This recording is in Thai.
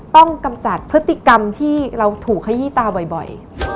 กำจัดพฤติกรรมที่เราถูกขยี้ตาบ่อย